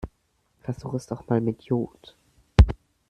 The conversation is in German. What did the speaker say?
Versuch es doch mal mit Iod.